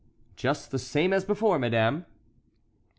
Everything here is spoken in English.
"Just the same as before, madame."